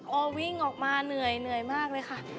พอวิ่งออกมาเหนื่อยมากเลยค่ะ